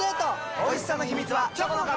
おいしさの秘密はチョコの壁！